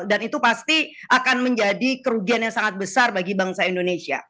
dan itu pasti akan menjadi kerugian yang sangat besar bagi bangsa indonesia